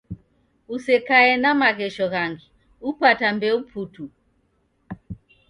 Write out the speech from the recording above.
Osekaie na maghesho ghangi upata mbeu putu